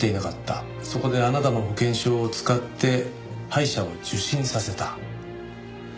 そこであなたの保険証を使って歯医者を受診させた。